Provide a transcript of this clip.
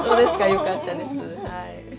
よかったです。